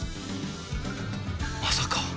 まさか。